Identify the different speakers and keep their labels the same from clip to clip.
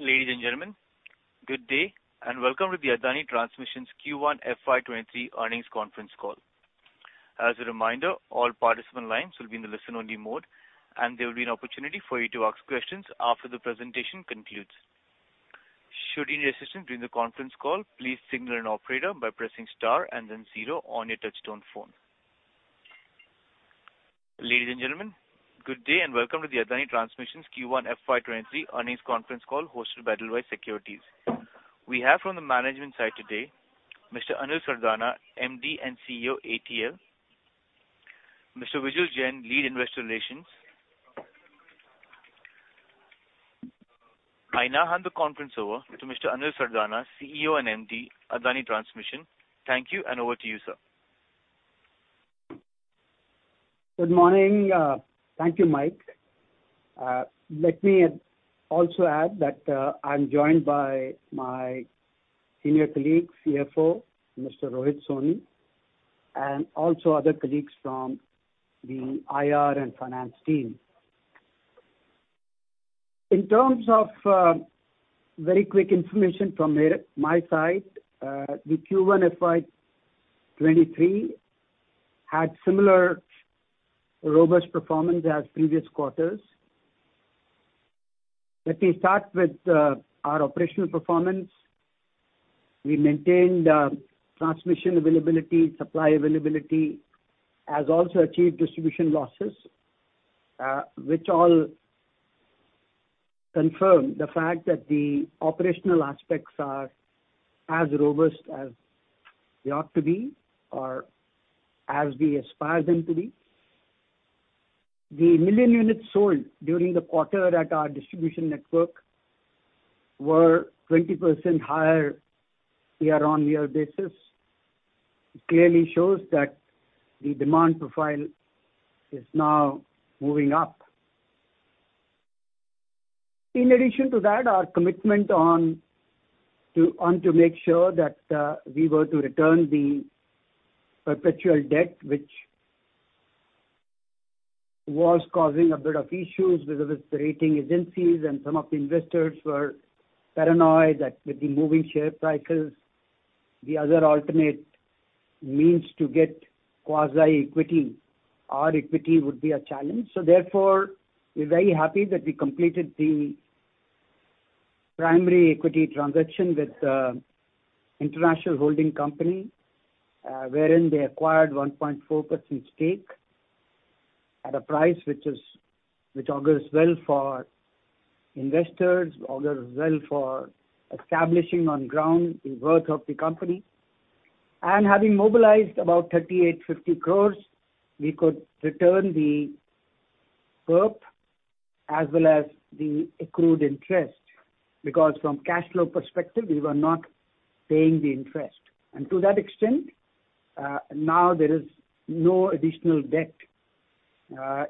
Speaker 1: Ladies and gentlemen, good day, and welcome to the Adani Transmission Q1 FY 2023 earnings conference call. As a reminder, all participant lines will be in the listen-only mode, and there will be an opportunity for you to ask questions after the presentation concludes. Should you need assistance during the conference call, please signal an operator by pressing star and then zero on your touchtone phone. Ladies and gentlemen, good day, and welcome to the Adani Transmission Q1 FY 2023 earnings conference call hosted by Edelweiss Securities. We have from the management side today, Mr. Anil Sardana, MD and CEO, ATL; Mr. Vijay Jain, Lead Investor Relations. I now hand the conference over to Mr. Anil Sardana, CEO and MD, Adani Transmission. Thank you, and over to you, sir.
Speaker 2: Good morning. Thank you, Mike. Let me also add that, I'm joined by my senior colleague, CFO Mr. Rohit Soni, and also other colleagues from the IR and finance team. In terms of, very quick information from my side, the Q1 FY 2023 had similar robust performance as previous quarters. Let me start with our operational performance. We maintained transmission availability, supply availability, as also achieved distribution losses, which all confirm the fact that the operational aspects are as robust as they ought to be or as we aspire them to be. 1 million units sold during the quarter at our distribution network were 20% higher year-over-year basis. It clearly shows that the demand profile is now moving up. In addition to that, our commitment to make sure that we were to return the perpetual debt which was causing a bit of issues with the rating agencies and some of the investors were paranoid that with the moving share prices, the other alternate means to get quasi-equity or equity would be a challenge. Therefore, we're very happy that we completed the primary equity transaction with International Holding Company, wherein they acquired 1.4% stake at a price which augurs well for investors, augurs well for establishing on ground the worth of the company. Having mobilized about 3,850 crores, we could return the PERP as well as the accrued interest, because from cash flow perspective, we were not paying the interest. To that extent, now there is no additional debt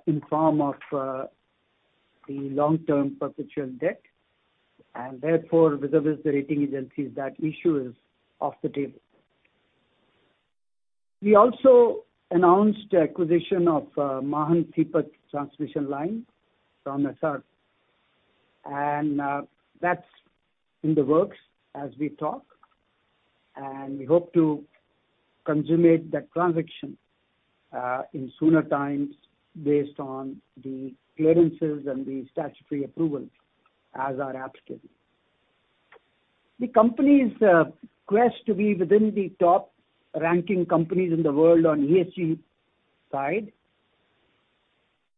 Speaker 2: in form of the long-term perpetual debt, and therefore, with the rating agencies that issue is off the table. We also announced acquisition of Mahan-Sipat transmission line from Essar. That's in the works as we talk. We hope to consummate that transaction in sooner times based on the clearances and the statutory approvals as are applicable. The company's quest to be within the top-ranking companies in the world on ESG side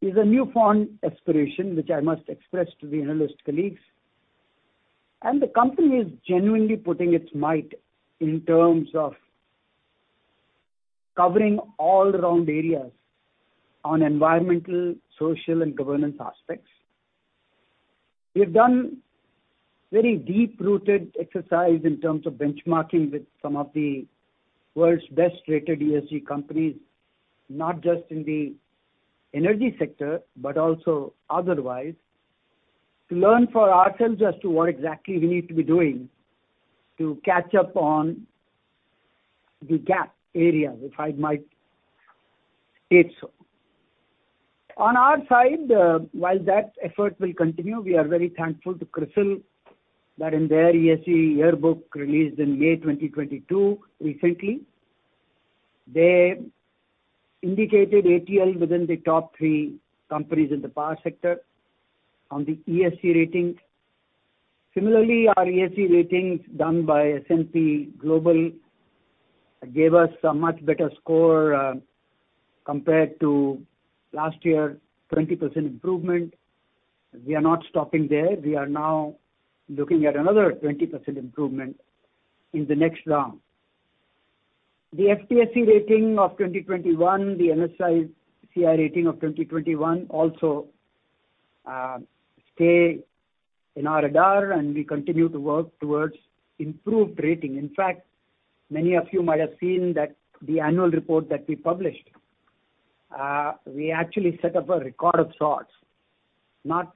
Speaker 2: is a newfound aspiration, which I must express to the analyst colleagues. The company is genuinely putting its might in terms of covering all around areas on environmental, social, and governance aspects. We have done very deep-rooted exercise in terms of benchmarking with some of the world's best-rated ESG companies, not just in the energy sector, but also otherwise, to learn for ourselves as to what exactly we need to be doing to catch up on the gap areas, if I might state so. On our side, while that effort will continue, we are very thankful to CRISIL, that in their ESG yearbook released in May 2022 recently, they indicated ATL within the top three companies in the power sector on the ESG ratings. Similarly, our ESG ratings done by S&P Global gave us a much better score, compared to last year, 20% improvement. We are not stopping there. We are now looking at another 20% improvement in the next round. The FTSE rating of 2021, the MSCI rating of 2021 also stay in our radar, and we continue to work towards improved rating. In fact, many of you might have seen that the annual report that we published, we actually set up a record of sorts, not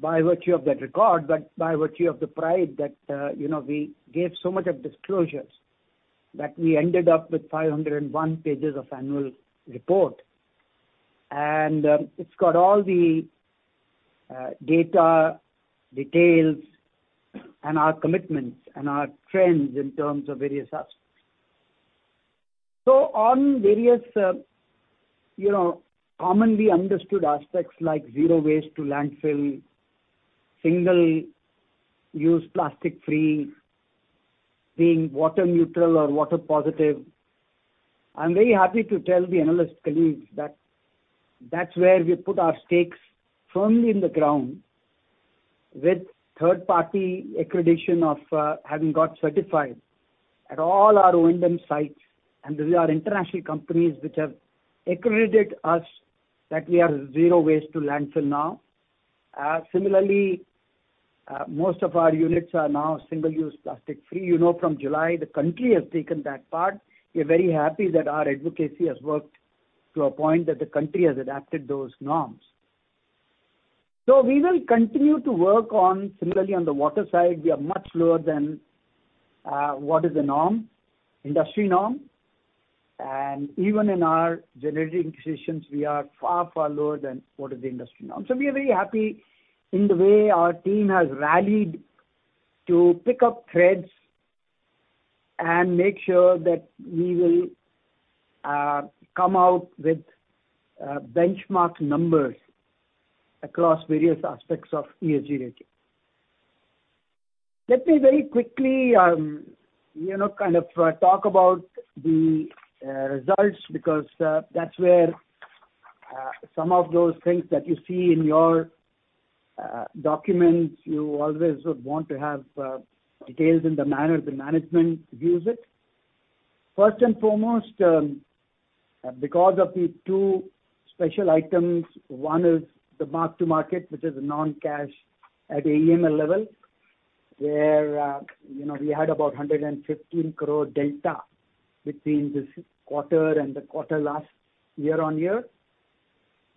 Speaker 2: by virtue of that record, but by virtue of the pride that, you know, we gave so much of disclosures. That we ended up with 501 pages of annual report. It's got all the data, details and our commitments and our trends in terms of various aspects. On various, you know, commonly understood aspects like zero waste to landfill, single-use plastic-free, being water neutral or water positive. I'm very happy to tell the analyst colleagues that that's where we put our stakes firmly in the ground with third-party accreditation of having got certified at all our wind farm sites. These are international companies which have accredited us that we are zero waste to landfill now. Similarly, most of our units are now single-use plastic-free. You know, from July the country has taken that part. We're very happy that our advocacy has worked to a point that the country has adapted those norms. We will continue to work on. Similarly, on the water side, we are much lower than what is the norm, industry norm. Even in our generating stations we are far, far lower than what is the industry norm. We are very happy in the way our team has rallied to pick up threads and make sure that we will come out with benchmark numbers across various aspects of ESG rating. Let me very quickly, you know, kind of talk about the results because that's where some of those things that you see in your documents, you always would want to have details in the manner the management views it. First and foremost, because of the two special items. One is the mark-to-market, which is non-cash at AMEL level, where you know, we had about 115 crore delta between this quarter and the quarter last year-on-year.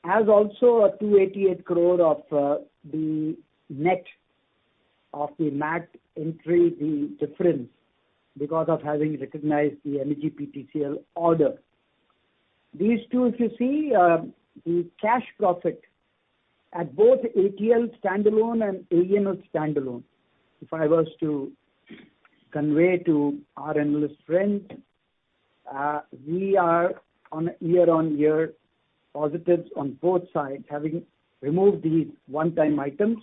Speaker 2: As also a 288 crore of the net of the MAT entry, the difference because of having recognized the NEGPTCL order. These two, if you see, the cash profit at both ATL standalone and AMEL standalone. If I was to convey to our analyst friend, we are on year-on-year positives on both sides having removed these one-time items.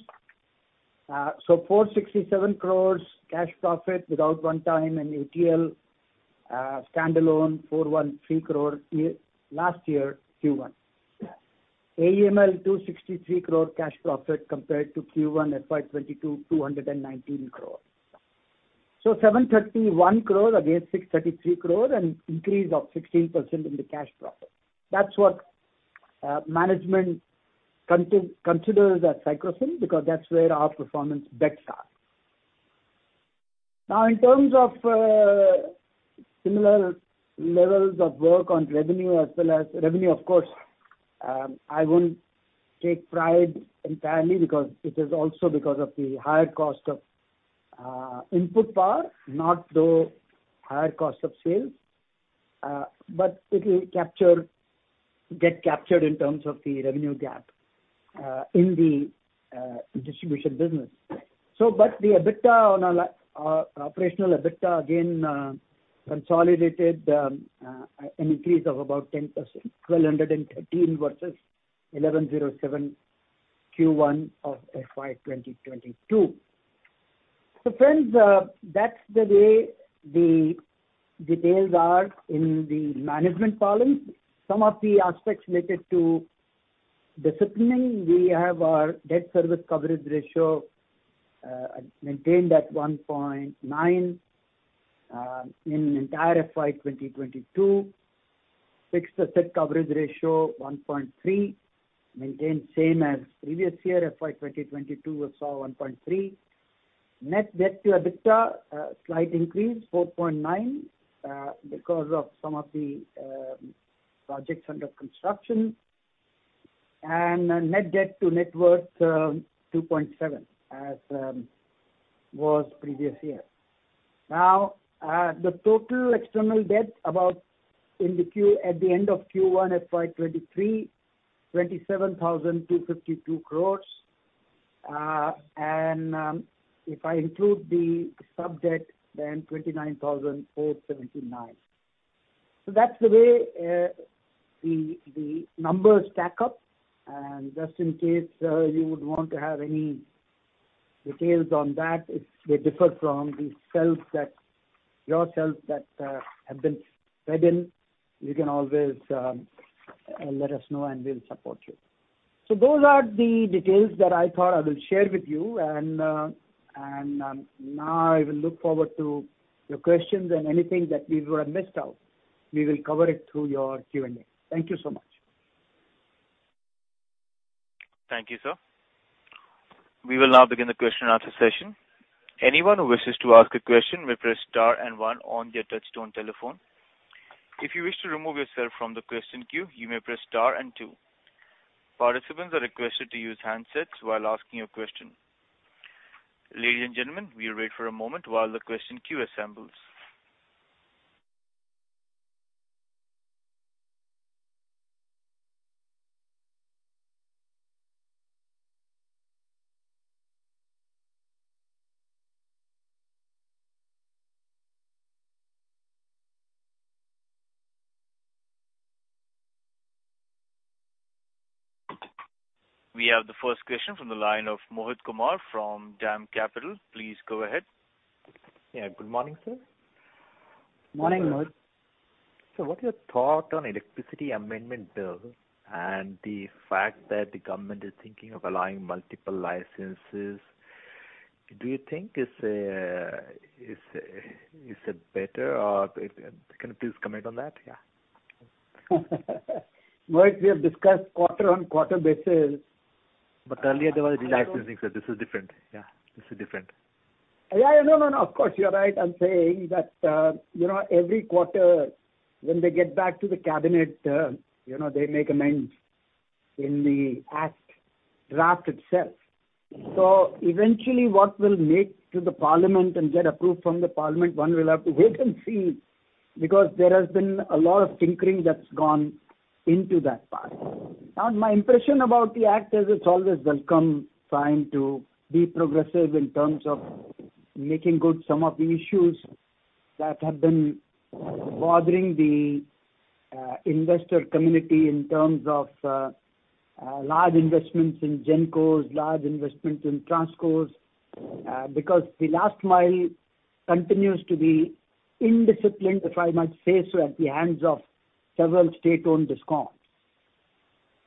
Speaker 2: 467 crore cash profit without one-time and ATL standalone 413 crore last year Q1. AMEL 263 crore cash profit compared to Q1 FY 2022, 219 crore. 731 crore against 633 crore, an increase of 16% in the cash profit. That's what management considers as key sign, because that's where our performance best starts. Now in terms of similar levels of work on revenue as well as. Revenue of course, I won't take pride entirely because it is also because of the higher cost of input power, not the higher cost of sales, but it will get captured in terms of the revenue gap in the distribution business. The operational EBITDA again, consolidated, an increase of about 10%, 1,213 versus 1,107 Q1 of FY 2022. Friends, that's the way the details are in the management policy. Some of the aspects related to debt discipline. We have our debt service coverage ratio maintained at 1.9 in entire FY 2022. Fixed asset coverage ratio 1.3, maintained same as previous year. FY 2022 we saw 1.3. Net debt to EBITDA, slight increase 4.9, because of some of the projects under construction. Net debt to net worth, 2.7 as was previous year. Now, the total external debt about INR 27,252 crores at the end of Q1 FY 2023. If I include the sub debt then 29,479 crores. That's the way the numbers stack up. Just in case you would want to have any details on that if they differ from the cells that you have fed in, you can always let us know and we'll support you. Those are the details that I thought I will share with you. Now I will look forward to your questions and anything that we would have missed out. We will cover it through your Q&A. Thank you so much.
Speaker 1: Thank you, sir. We will now begin the question and answer session. Anyone who wishes to ask a question may press star and one on your touchtone telephone. If you wish to remove yourself from the question queue, you may press star and two. Participants are requested to use handsets while asking your question. Ladies and gentlemen, we wait for a moment while the question queue assembles. We have the first question from the line of Mohit Kumar from DAM Capital. Please go ahead.
Speaker 3: Yeah. Good morning, sir.
Speaker 2: Morning, Mohit.
Speaker 3: What's your thought on Electricity (Amendment) Bill and the fact that the government is thinking of allowing multiple licenses? Do you think it's a better or can you please comment on that? Yeah.
Speaker 2: Mohit, we have discussed quarter-over-quarter basis.
Speaker 3: Earlier there was a licensing, so this is different. Yeah, this is different.
Speaker 2: Yeah. No, no, of course, you're right. I'm saying that, you know, every quarter when they get back to the cabinet, you know, they make amends in the Act draft itself. Eventually, what will make to the parliament and get approved from the parliament, one will have to wait and see, because there has been a lot of tinkering that's gone into that part. Now, my impression about the Act is it's always welcome sign to be progressive in terms of making good some of the issues that have been bothering the, investor community in terms of, large investments in GenCos, large investments in TransCos. Because the last mile continues to be indisciplined, if I must say so, at the hands of several state-owned DISCOMs.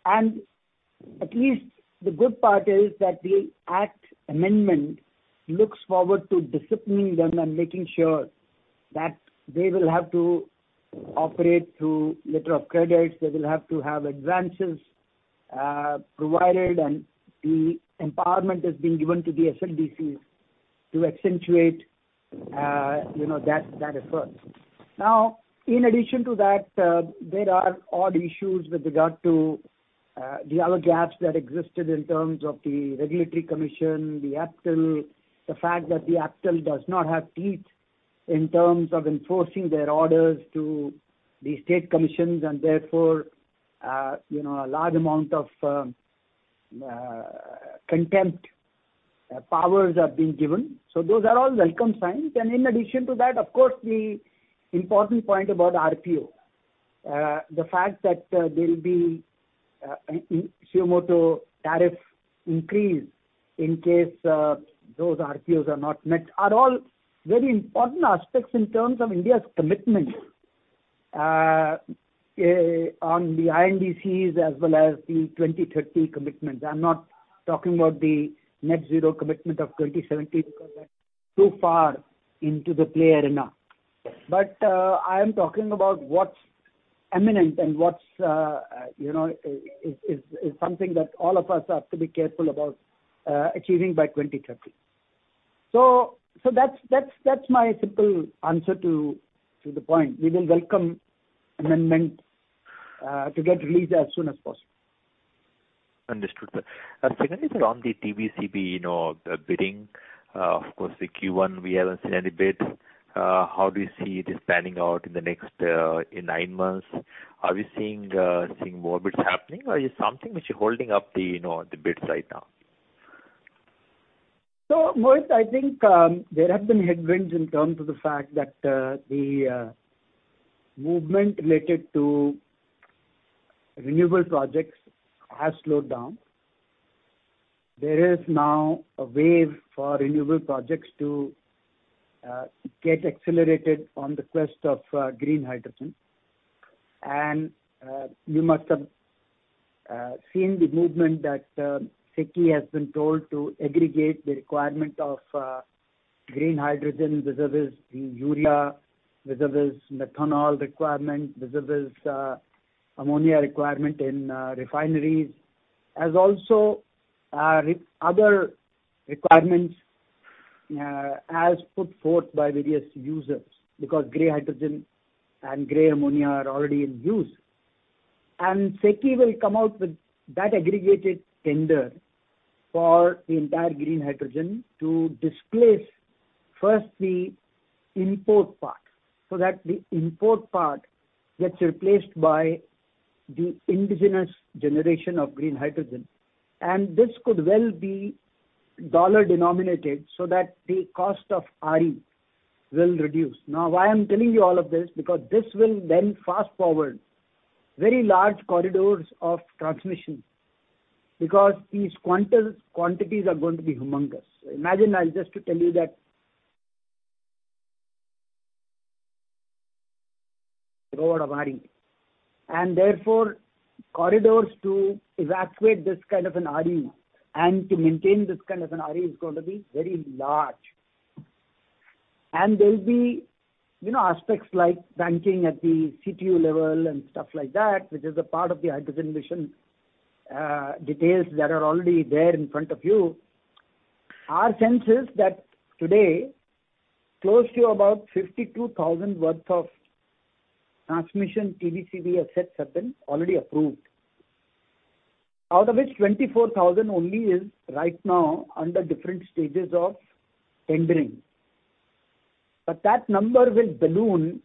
Speaker 2: At least the good part is that the Act amendment looks forward to disciplining them and making sure that they will have to operate through letters of credit. They will have to have advances provided, and the empowerment is being given to the SLDCs to accentuate you know that effort. Now, in addition to that, there are other issues with regard to the other gaps that existed in terms of the regulatory commission, the APTEL. The fact that the APTEL does not have teeth in terms of enforcing their orders to the state commissions and therefore you know a large amount of contempt powers are being given. Those are all welcome signs. In addition to that, of course, the important point about RPO. The fact that there will be, suo moto tariff increase in case, those RPOs are not met are all very important aspects in terms of India's commitment, on the INDCs as well as the 2030 commitment. I'm not talking about the net zero commitment of 2070 because that's too far into the play arena. I am talking about what's imminent and what's, you know, is something that all of us have to be careful about, achieving by 2030. That's my simple answer to the point. We will welcome amendment to get released as soon as possible.
Speaker 3: Understood. Secondly, sir, on the TBCB, you know, the bidding, of course, the Q1, we haven't seen any bids. How do you see this panning out in the next, in nine months? Are we seeing seeing more bids happening or is something which is holding up the, you know, the bids right now?
Speaker 2: Mohit, I think, there have been headwinds in terms of the fact that, the, movement related to renewable projects has slowed down. There is now a wave for renewable projects to, get accelerated on the quest of, green hydrogen. You must have, seen the movement that, SECI has been told to aggregate the requirement of, green hydrogen, whether it is the urea, whether it is methanol requirement, whether it is, ammonia requirement in, refineries, as also, other requirements, as put forth by various users because gray hydrogen and gray ammonia are already in use. SECI will come out with that aggregated tender for the entire green hydrogen to displace first the import part, so that the import part gets replaced by the indigenous generation of green hydrogen. This could well be dollar-denominated so that the cost of RE will reduce. Now, why I'm telling you all of this, because this will then fast-forward very large corridors of transmission because these quantities are going to be humongous. Imagine, I'll just tell you the load of RE. Therefore, corridors to evacuate this kind of an RE and to maintain this kind of an RE is going to be very large. There'll be, you know, aspects like banking at the CTU level and stuff like that, which is a part of the hydrogen mission, details that are already there in front of you. Our sense is that today, close to about 52,000 worth of transmission TBC assets have been already approved. Out of which 24,000 only is right now under different stages of tendering. That number will balloon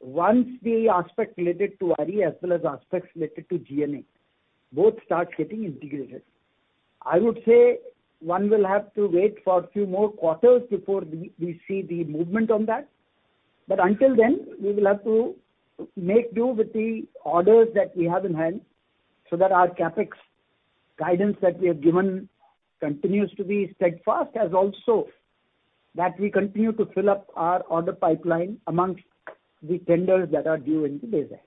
Speaker 2: once the aspect related to RE as well as aspects related to GNA both start getting integrated. I would say one will have to wait for a few more quarters before we see the movement on that. Until then, we will have to make do with the orders that we have in hand so that our CapEx guidance that we have given continues to be steadfast, as also that we continue to fill up our order pipeline amongst the tenders that are due in the days ahead.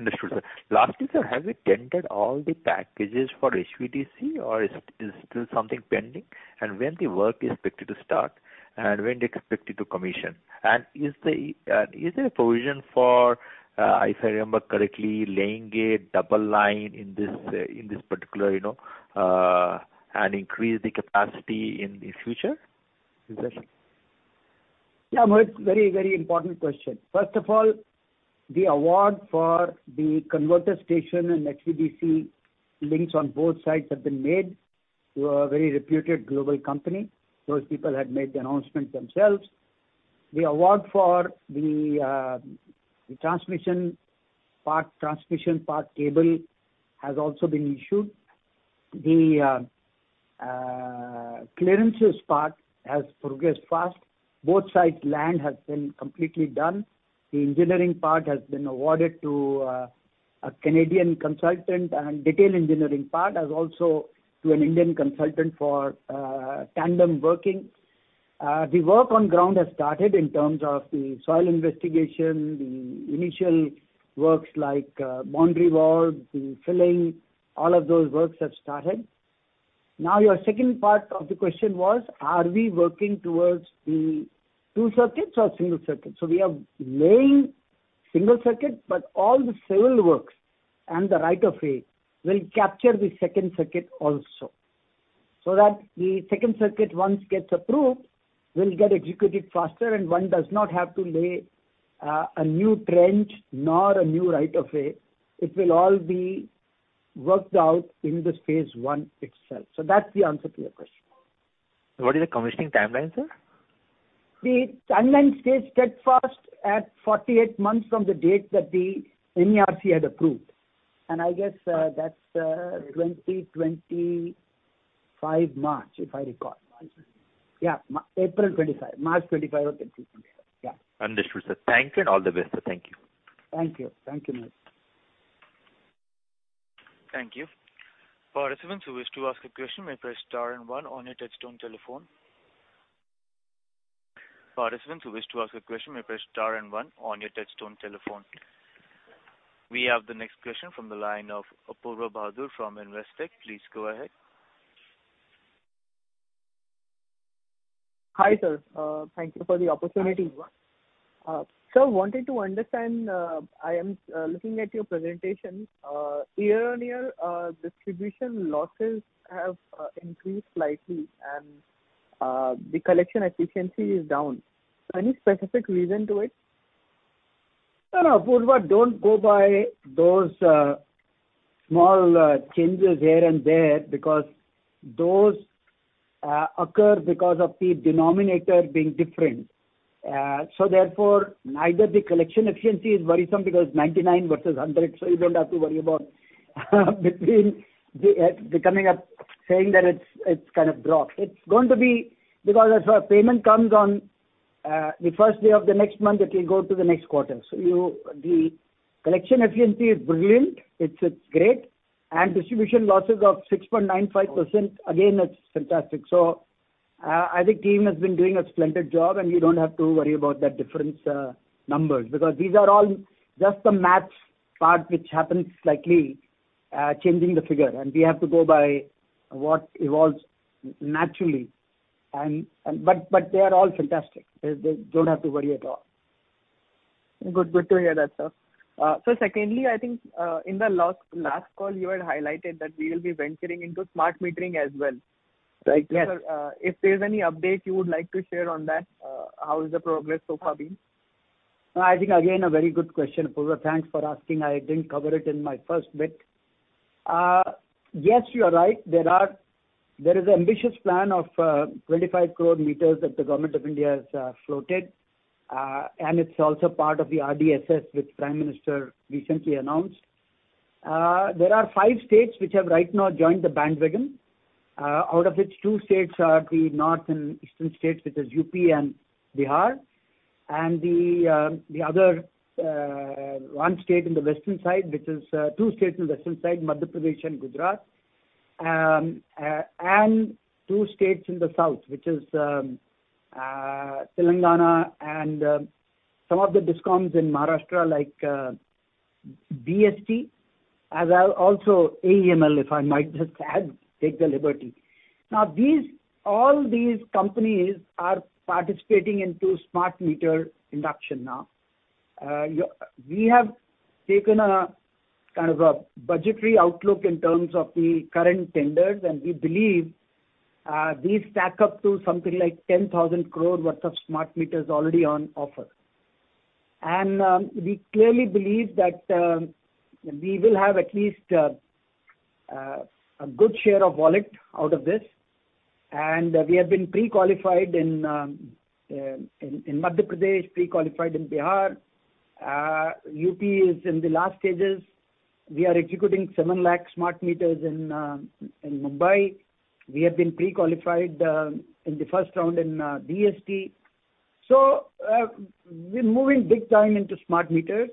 Speaker 3: Understood, sir. Lastly, sir, have you tendered all the packages for HVDC or is still something pending? And when the work is expected to start, and when they're expected to commission? And is there a provision for, if I remember correctly, laying a double line in this particular, you know, and increase the capacity in the future? Is that so?
Speaker 2: Yeah, Mohit, very, very important question. First of all, the award for the converter station and HVDC links on both sides have been made to a very reputed global company. Those people had made the announcement themselves. The award for the transmission part cable has also been issued. The clearances part has progressed fast. Both sides land has been completely done. The engineering part has been awarded to a Canadian consultant and detail engineering part as also to an Indian consultant for tandem working. The work on ground has started in terms of the soil investigation, the initial works like boundary wall, the filling, all of those works have started. Now, your second part of the question was, are we working towards the two circuits or single circuit? We are laying single circuit, but all the civil works and the right of way will capture the second circuit also. That the second circuit once gets approved, will get executed faster, and one does not have to lay a new trench nor a new right of way. It will all be worked out in this phase one itself. That's the answer to your question.
Speaker 3: What is the commissioning timeline, sir?
Speaker 2: The timeline stays steadfast at 48 months from the date that the MERC had approved. I guess that's March 2025, if I recall. Yeah. March 25, 2025. Yeah.
Speaker 3: Understood, sir. Thank you and all the best, sir. Thank you.
Speaker 2: Thank you. Thank you, Mohit.
Speaker 1: Thank you. Participants who wish to ask a question may press star and one on your touchtone telephone. We have the next question from the line of Apoorva Bahadur from Investec. Please go ahead.
Speaker 4: Hi, sir. Thank you for the opportunity. Sir, wanted to understand, I am looking at your presentation. Year-on-year, distribution losses have increased slightly and the collection efficiency is down. Any specific reason to it?
Speaker 2: No, no, Apoorva, don't go by those small changes here and there because those occur because of the denominator being different. Therefore, neither the collection efficiency is worrisome because 99 versus 100, so you don't have to worry about the coming up saying that it's kind of dropped. It's going to be because if a payment comes on the first day of the next month, it will go to the next quarter. The collection efficiency is brilliant. It's great. Distribution losses of 6.95%, again, that's fantastic. I think team has been doing a splendid job and we don't have to worry about that different numbers. Because these are all just the math part which happens slightly changing the figure, and we have to go by what evolves naturally. They are all fantastic. They don't have to worry at all.
Speaker 4: Good. Good to hear that, sir. Secondly, I think, in the last call you had highlighted that we will be venturing into smart metering as well.
Speaker 2: Right. Yes.
Speaker 4: If there's any update you would like to share on that, how is the progress so far been?
Speaker 2: I think again, a very good question, Apoorva. Thanks for asking. I didn't cover it in my first bit. Yes, you are right. There is ambitious plan of 25 crore meters that the Government of India has floated. It's also part of the RDSS which Prime Minister recently announced. There are five states which have right now joined the bandwagon. Out of which two states are the northern and eastern states, which is UP and Bihar. The other two states in the western side, Madhya Pradesh and Gujarat. Two states in the south, which is Telangana and some of the DISCOMs in Maharashtra like BEST, as well as AEML, if I might just add, take the liberty. Now these. All these companies are participating into smart meter induction now. We have taken a kind of a budgetary outlook in terms of the current tenders, and we believe these stack up to something like 10,000 crore worth of smart meters already on offer. We clearly believe that we will have at least a good share of wallet out of this. We have been pre-qualified in Madhya Pradesh, pre-qualified in Bihar. UP is in the last stages. We are executing 700,000 smart meters in Mumbai. We have been pre-qualified in the first round in DST. We're moving big time into smart meters.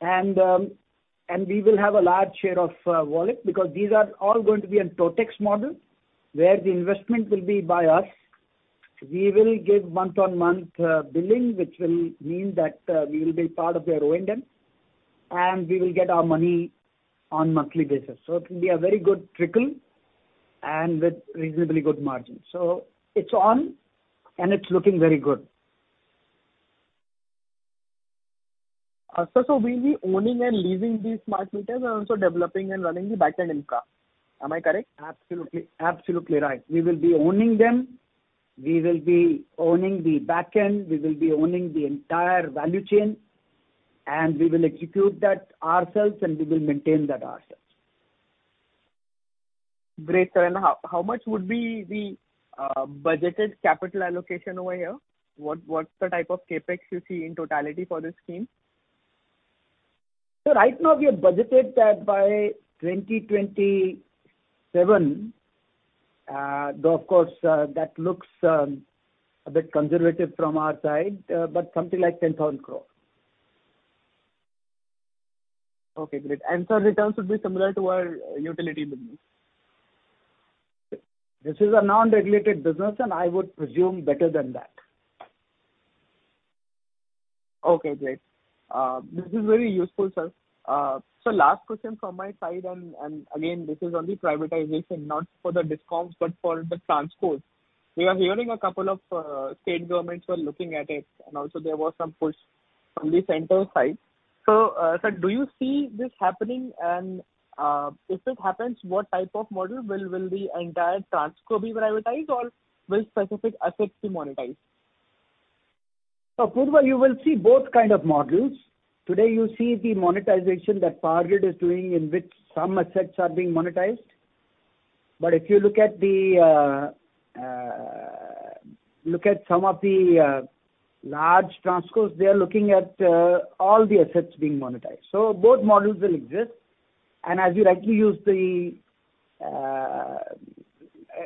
Speaker 2: We will have a large share of wallet because these are all going to be on TOTEX model, where the investment will be by us. We will give month-on-month billing, which will mean that we will be part of their O&M, and we will get our money on monthly basis. It will be a very good trickle and with reasonably good margins. It's on, and it's looking very good.
Speaker 4: We'll be owning and leasing these smart meters and also developing and running the back-end infra. Am I correct?
Speaker 2: Absolutely. Absolutely right. We will be owning them. We will be owning the back end. We will be owning the entire value chain, and we will execute that ourselves, and we will maintain that ourselves.
Speaker 4: Great. How much would be the budgeted capital allocation over here? What's the type of CapEx you see in totality for this scheme?
Speaker 2: Right now we have budgeted that by 2027. Though, of course, that looks a bit conservative from our side, but something like 10,000 crore.
Speaker 4: Okay, great. Returns would be similar to our utility business.
Speaker 2: This is a non-regulated business, and I would presume better than that.
Speaker 4: Okay, great. This is very useful, sir. Last question from my side, and again, this is on the privatization, not for the DISCOMs, but for the TransCo. We are hearing a couple of state governments are looking at it, and also there was some push from the center side. Sir, do you see this happening? If it happens, what type of model will the entire TransCo be privatized, or will specific assets be monetized?
Speaker 2: Apurva, you will see both kind of models. Today you see the monetization that PowerGrid is doing in which some assets are being monetized. If you look at some of the large TransCos, they are looking at all the assets being monetized. Both models will exist. As you rightly used in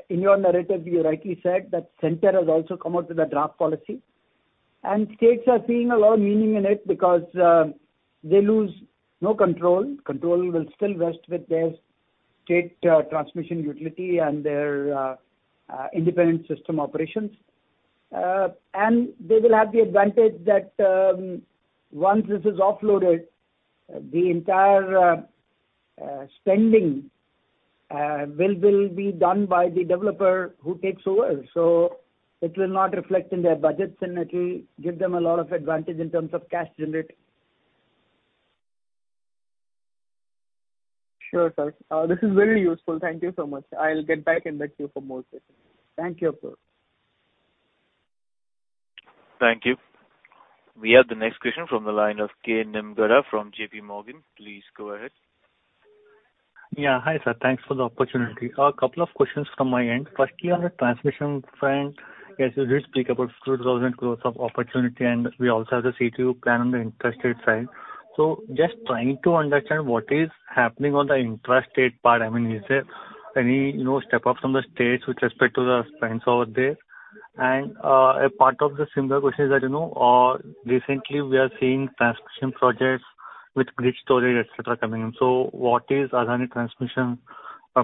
Speaker 2: your narrative, you rightly said that central has also come out with a draft policy, and states are seeing a lot of merit in it because they lose no control. Control will still rest with their state transmission utility and their independent system operations. They will have the advantage that once this is offloaded, the entire spending will be done by the developer who takes over. It will not reflect in their budgets, and it will give them a lot of advantage in terms of cash generating.
Speaker 4: Sure, sir. This is very useful. Thank you so much. I'll get back to you for more questions.
Speaker 2: Thank you, Apoorva.
Speaker 1: Thank you. We have the next question from the line of Kunjal Mehta from JP Morgan. Please go ahead.
Speaker 5: Yeah. Hi, sir. Thanks for the opportunity. A couple of questions from my end. Firstly, on the transmission front, as you did speak about 2,000 crores of opportunity, and we also have the CTU plan on the intrastate side. Just trying to understand what is happening on the intrastate part. I mean, is there any, you know, step up from the states with respect to the spends over there? A part of the similar question is that, you know, recently we are seeing transmission projects with grid storage, et cetera, coming in. What is Adani Transmission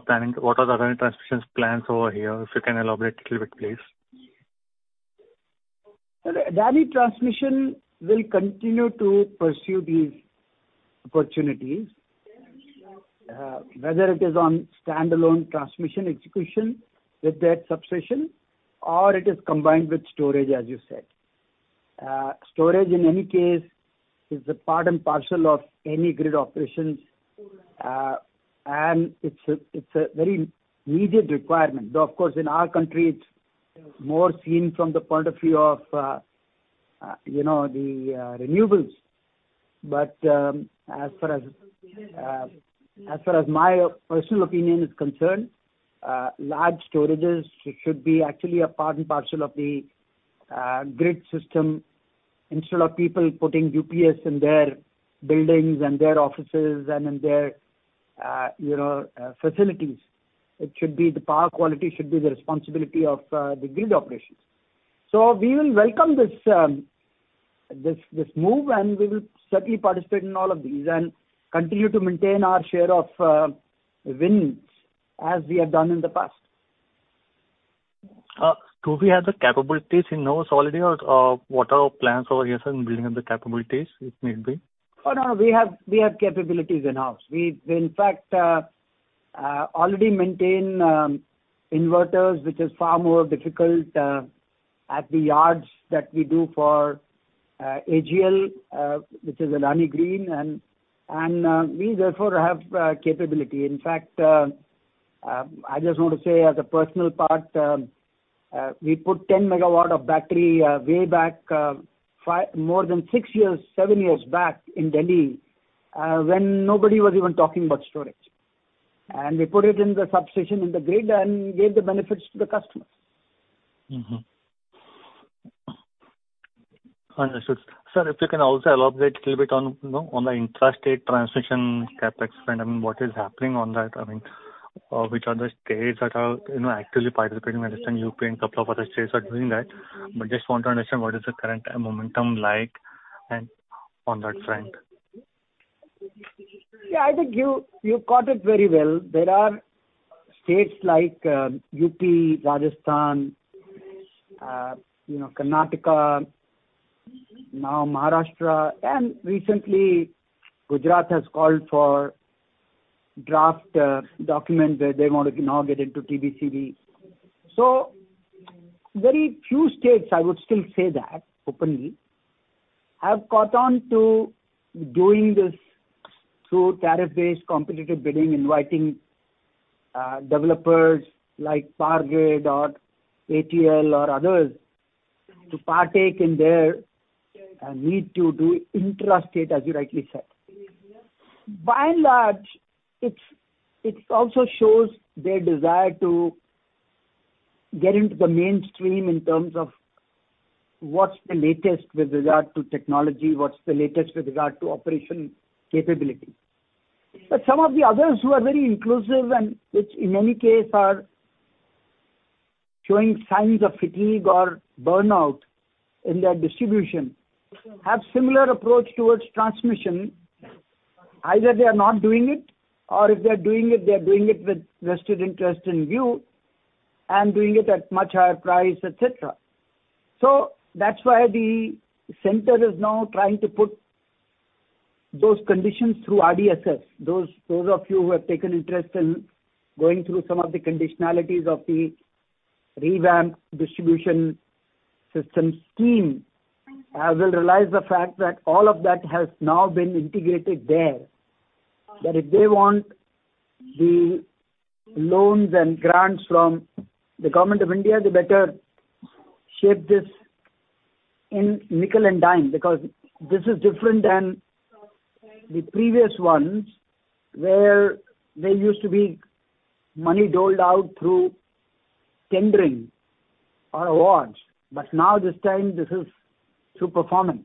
Speaker 5: planning? What are Adani Transmission's plans over here? If you can elaborate a little bit, please.
Speaker 2: Sir, Adani Transmission will continue to pursue these opportunities, whether it is on standalone transmission execution with that substation or it is combined with storage, as you said. Storage, in any case, is a part and parcel of any grid operations. It's a very needed requirement. Though, of course, in our country it's more seen from the point of view of, you know, the renewables. As far as my personal opinion is concerned, large storages should be actually a part and parcel of the grid system instead of people putting UPS in their buildings and their offices and in their, you know, facilities. It should be the power quality should be the responsibility of the grid operations. We will welcome this move, and we will certainly participate in all of these and continue to maintain our share of wins as we have done in the past.
Speaker 5: Do we have the capabilities in-house already or, what are our plans over here, sir, in building up the capabilities, if need be?
Speaker 2: Oh, no, we have capabilities in-house. We in fact already maintain inverters, which is far more difficult at the yards that we do for AGL, which is Adani Green, and we therefore have capability. In fact, I just want to say as a personal part, we put 10 MW of battery way back more than six years, seven years back in Delhi, when nobody was even talking about storage. We put it in the substation in the grid and gave the benefits to the customers.
Speaker 5: Understood. Sir, if you can also elaborate little bit on, you know, on the intrastate transmission CapEx spend. I mean, what is happening on that? I mean, which are the states that are, you know, actively participating? I understand UP and couple of other states are doing that, but just want to understand what is the current momentum like and on that front.
Speaker 2: Yeah, I think you caught it very well. There are states like UP, Rajasthan, you know, Karnataka, now Maharashtra, and recently Gujarat has called for draft document where they want to now get into TBCB. Very few states, I would still say that openly, have caught on to doing this through tariff-based competitive bidding, inviting developers like Power Grid or ATL or others to partake in their need to do intrastate, as you rightly said. By and large, it's also shows their desire to get into the mainstream in terms of what's the latest with regard to technology, what's the latest with regard to operation capability. Some of the others who are very inclusive and which in many case are showing signs of fatigue or burnout in their distribution have similar approach towards transmission. Either they are not doing it, or if they are doing it, they are doing it with vested interest in view and doing it at much higher price, et cetera. That's why the center is now trying to put those conditions through RDSS. Those of you who have taken interest in going through some of the conditionalities of the revamped distribution sector scheme will realize the fact that all of that has now been integrated there. That if they want the loans and grants from the government of India, they better shape this in nickel and dime, because this is different than the previous ones where there used to be money doled out through tendering or awards, but now this time this is through performance.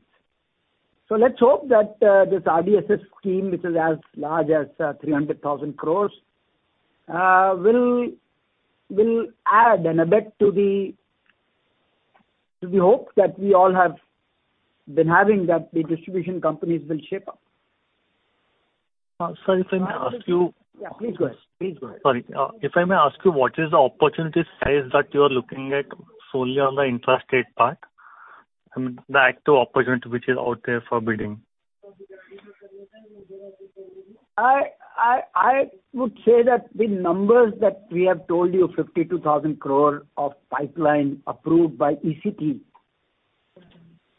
Speaker 2: Let's hope that this RDSS scheme, which is as large as 300,000 crore, will aid and abet the hope that we all have been having that the distribution companies will shape up.
Speaker 5: Sir, if I may ask you-
Speaker 2: Yeah, please go ahead.
Speaker 5: Sorry, if I may ask you, what is the opportunity size that you are looking at solely on the intrastate part? I mean, the actual opportunity which is out there for bidding.
Speaker 2: I would say that the numbers that we have told you, 52,000 crore of pipeline approved by CEA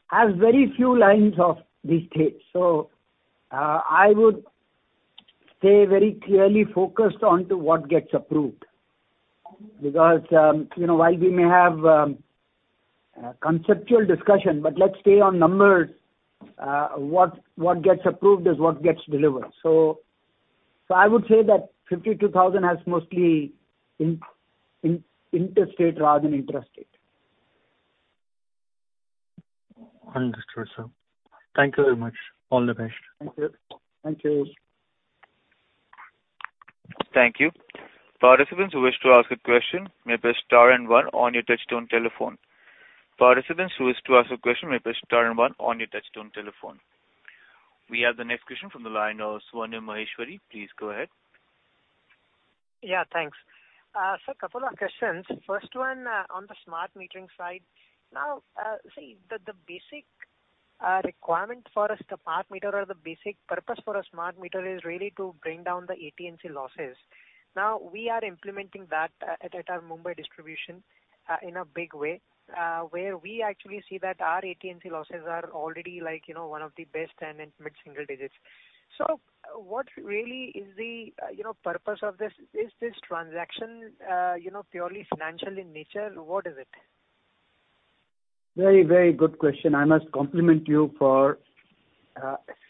Speaker 2: has very few lines of these states. I would stay very clearly focused onto what gets approved. Because, you know, while we may have conceptual discussion, but let's stay on numbers. What gets approved is what gets delivered. I would say that 52,000 crore has mostly in interstate rather than intrastate.
Speaker 5: Understood, sir. Thank you very much. All the best.
Speaker 2: Thank you. Thank you.
Speaker 1: Thank you. Participants who wish to ask a question may press star and one on your touchtone telephone. We have the next question from the line of Swarnim Maheshwari. Please go ahead.
Speaker 6: Yeah, thanks. Sir, couple of questions. First one, on the smart metering side. Now, see the basic requirement for a smart meter or the basic purpose for a smart meter is really to bring down the AT&C losses. Now, we are implementing that at our Mumbai distribution in a big way, where we actually see that our AT&C losses are already like, you know, one of the best and in mid-single digits. So what really is the, you know, purpose of this? Is this transaction, you know, purely financial in nature? What is it?
Speaker 2: Very, very good question. I must compliment you for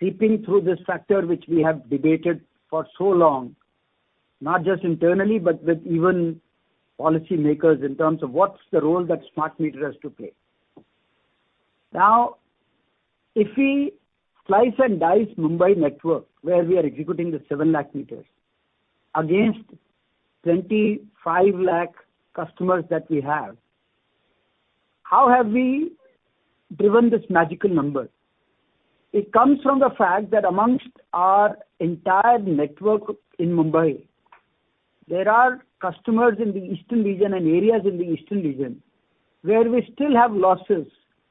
Speaker 2: sifting through this factor, which we have debated for so long, not just internally, but with even policymakers in terms of what's the role that smart meter has to play. Now, if we slice and dice Mumbai network, where we are executing the 7 lakh meters against 25 lakh customers that we have, how have we driven this magical number? It comes from the fact that amongst our entire network in Mumbai, there are customers in the eastern region and areas in the eastern region where we still have losses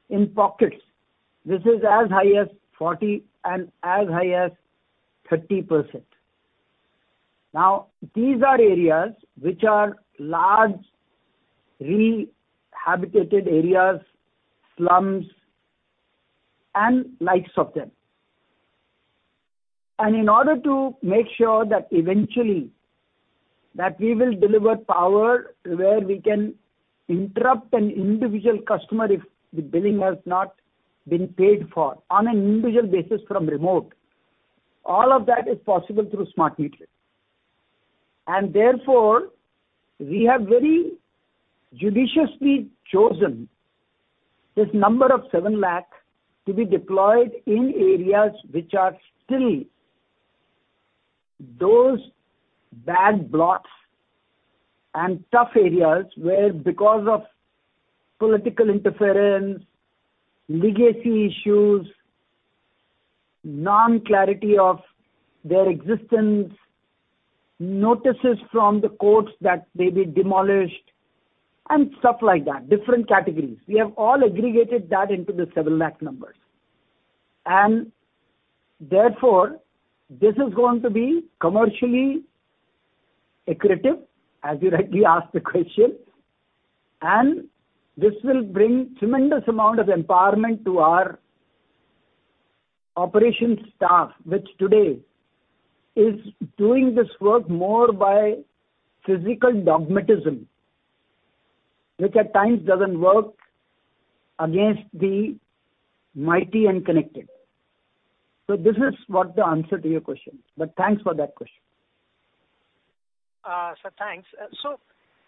Speaker 2: in pockets. This is as high as 40 and as high as 30%. Now these are areas which are large rehabilitated areas, slums and likes of them. In order to make sure that eventually that we will deliver power where we can interrupt an individual customer if the billing has not been paid for on an individual basis from remote, all of that is possible through smart metering. Therefore, we have very judiciously chosen this number of 7 lakh to be deployed in areas which are still those bad blocks and tough areas where because of political interference, legacy issues, non-clarity of their existence, notices from the courts that they be demolished and stuff like that, different categories. We have all aggregated that into the 7 lakh numbers. Therefore, this is going to be commercially accretive, as you rightly asked the question, and this will bring tremendous amount of empowerment to our operations staff, which today is doing this work more by physical dogmatism, which at times doesn't work against the mighty and connected. This is the answer to your question. Thanks for that question.
Speaker 6: Sir, thanks.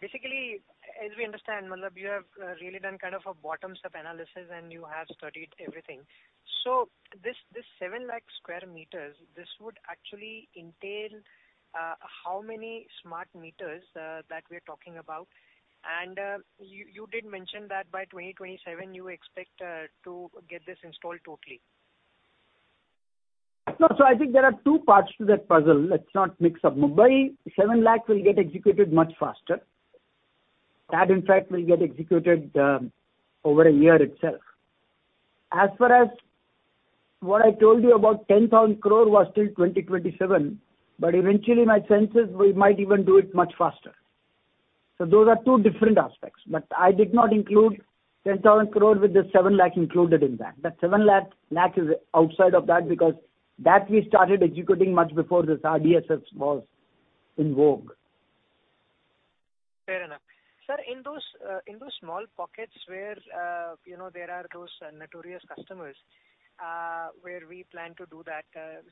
Speaker 6: Basically, as we understand, you have really done kind of a bottom-up analysis and you have studied everything. This 7 lakh square meters would actually entail how many smart meters that we are talking about. You did mention that by 2027 you expect to get this installed totally.
Speaker 2: No. I think there are two parts to that puzzle. Let's not mix up. Mumbai, 7 lakh will get executed much faster. That in fact will get executed over a year itself. As far as what I told you about 10,000 crore was till 2027, but eventually my sense is we might even do it much faster. Those are two different aspects. I did not include 10,000 crore with the 7 lakh included in that. That seven lakh is outside of that because that we started executing much before this RDSS was invoked.
Speaker 6: Fair enough. Sir, in those small pockets where you know there are those notorious customers where we plan to do that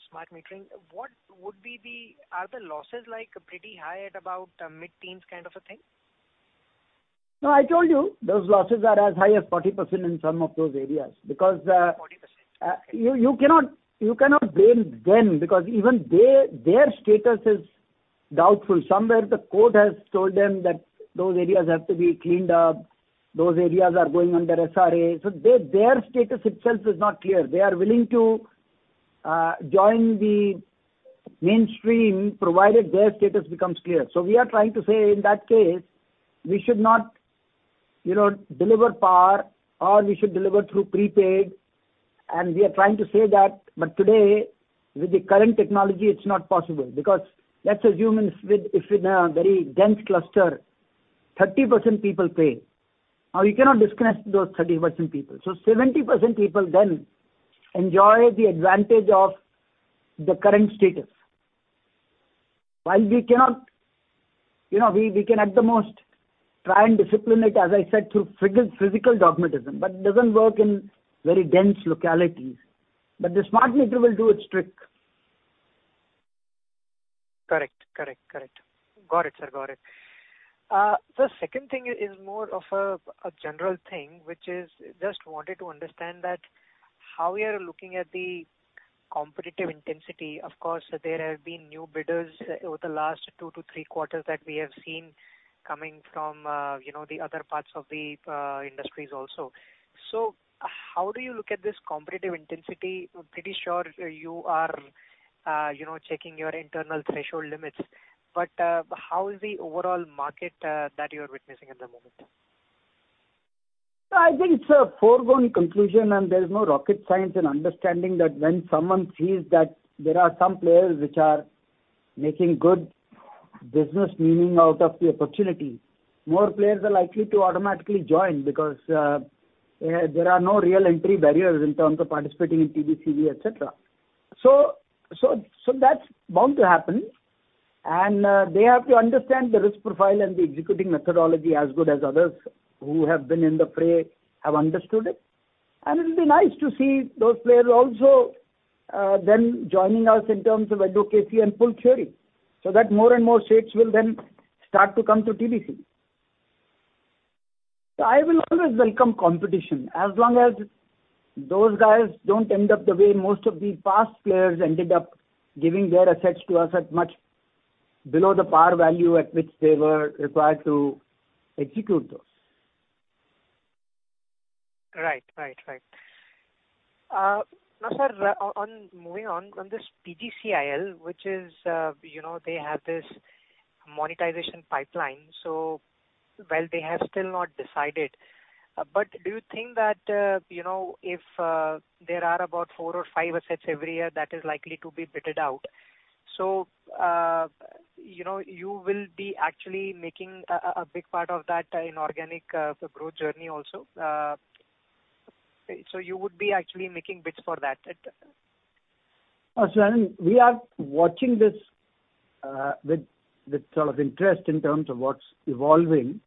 Speaker 6: smart metering, what would be the losses? Are the losses like pretty high at about mid-teens kind of a thing?
Speaker 2: No, I told you those losses are as high as 40% in some of those areas because.
Speaker 6: 40%.
Speaker 2: You cannot blame them because even their status is doubtful. Somewhere the court has told them that those areas have to be cleaned up, those areas are going under SRA. Their status itself is not clear. They are willing to join the mainstream, provided their status becomes clear. We are trying to say in that case, we should not, you know, deliver power or we should deliver through prepaid, and we are trying to say that. Today with the current technology it's not possible because let's assume if in a very dense cluster, 30% people pay. Now you cannot disconnect those 30% people. 70% people then enjoy the advantage of the current status. While we cannot, you know, we can at the most try and discipline it, as I said, through physical dogmatism, but it doesn't work in very dense localities. The smart meter will do its trick.
Speaker 6: Correct. Got it, sir. The second thing is more of a general thing, which is just wanted to understand that how we are looking at the competitive intensity. Of course, there have been new bidders over the last two to three quarters that we have seen coming from, you know, the other parts of the industries also. How do you look at this competitive intensity? I'm pretty sure you are, you know, checking your internal threshold limits, but how is the overall market that you're witnessing at the moment?
Speaker 2: I think it's a foregone conclusion, and there's no rocket science in understanding that when someone sees that there are some players which are making good business meaning out of the opportunity, more players are likely to automatically join because there are no real entry barriers in terms of participating in TBCB, et cetera. So that's bound to happen. They have to understand the risk profile and the executing methodology as good as others who have been in the fray have understood it. It'll be nice to see those players also then joining us in terms of advocacy and pull theory, so that more and more states will then start to come to TBC. I will always welcome competition as long as those guys don't end up the way most of the past players ended up giving their assets to us at much below the par value at which they were required to execute those.
Speaker 6: Right. Now, sir, moving on this PGCIL, which is, you know, they have this monetization pipeline. Well, they have still not decided. Do you think that, you know, if there are about four or 5 assets every year that is likely to be bid out, you know, you will be actually making a big part of that in organic growth journey also. You would be actually making bids for that?
Speaker 2: We are watching this with sort of interest in terms of what's evolving.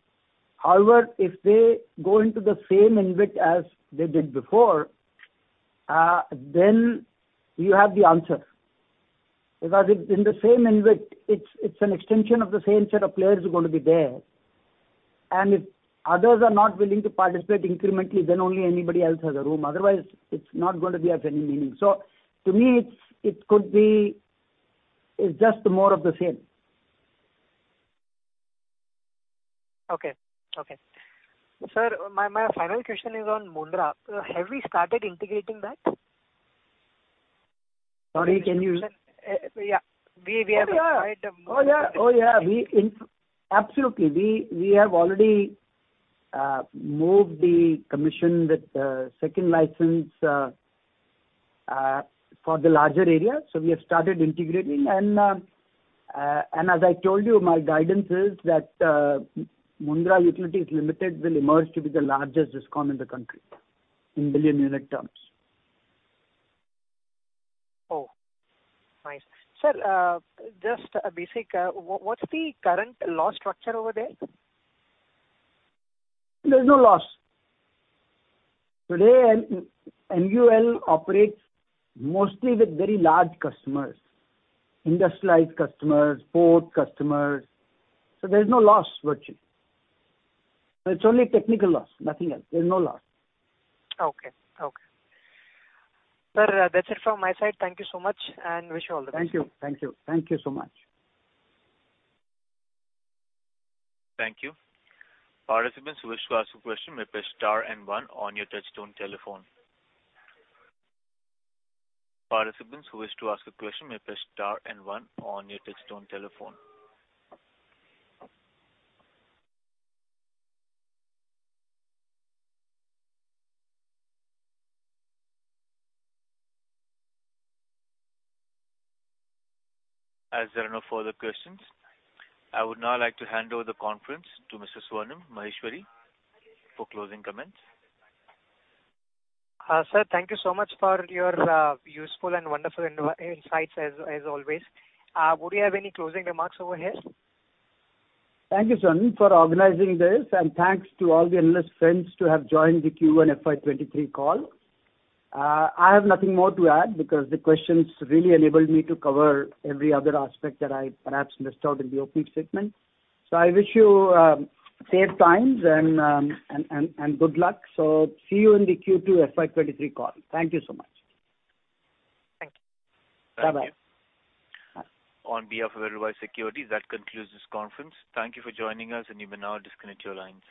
Speaker 2: However, if they go into the same invite as they did before, then you have the answer. Because if in the same invite, it's an extension of the same set of players who are gonna be there. If others are not willing to participate incrementally, then only anybody else has a room. Otherwise, it's not gonna be of any meaning. To me, it could be. It's just more of the same.
Speaker 6: Okay. Sir, my final question is on Mundra. Have we started integrating that?
Speaker 2: Sorry, can you?
Speaker 6: Yeah. We have acquired the-
Speaker 2: Oh, yeah. Oh, yeah. Absolutely. We have already moved the commission with the second license for the larger area. We have started integrating and as I told you, my guidance is that MPSEZ Utilities Limited will emerge to be the largest DISCOM in the country in million unit terms.
Speaker 6: Oh, nice. Sir, just a basic, what's the current loss structure over there?
Speaker 2: There's no loss. Today MUL operates mostly with very large customers, industrialized customers, port customers. There's no loss virtually. It's only technical loss, nothing else. There's no loss.
Speaker 6: Okay. Sir, that's it from my side. Thank you so much, and wish you all the best.
Speaker 2: Thank you so much.
Speaker 1: Thank you. Participants who wish to ask a question may press star and one on your touchtone telephone. As there are no further questions, I would now like to hand over the conference to Mr. Swarnim Maheshwari for closing comments.
Speaker 6: Sir, thank you so much for your useful and wonderful insights as always. Would you have any closing remarks over here?
Speaker 2: Thank you, Swarnim, for organizing this, and thanks to all the analysts to have joined the Q1 FY 2023 call. I have nothing more to add because the questions really enabled me to cover every other aspect that I perhaps missed out in the opening statement. I wish you safe times and good luck. See you in the Q2 FY 2023 call. Thank you so much.
Speaker 6: Thank you.
Speaker 2: Bye-bye.
Speaker 1: On behalf of Edelweiss Securities, that concludes this conference. Thank you for joining us, and you may now disconnect your lines.